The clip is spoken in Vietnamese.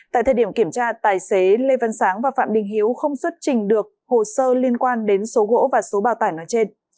tại thời điểm kiểm tra tài xế lê văn sáng và phạm đình hiếu không xuất trình được hồ sơ liên quan đến số gỗ và số bao tải nói trên